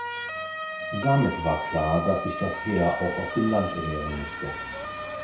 Damit war klar, dass sich das Heer auch aus dem Land ernähren musste.